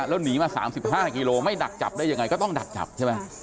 แล้วหนีมา๓๕กิโลไม่ดักจับได้ยังไงก็ต้องดักจับใช่ไหม